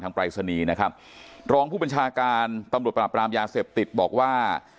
ปรายศนีย์นะครับรองผู้บัญชาการตำรวจปราบรามยาเสพติดบอกว่า